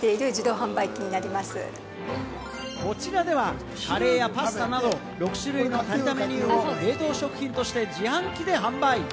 こちらではカレーやパスタなど６種類のタニタメニューを冷凍食品として自販機で販売。